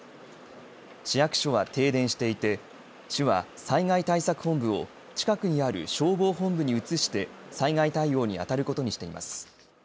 市役所は停電していて市は災害対策本部を近くにある消防本部に移して災害対応に当たることにしています。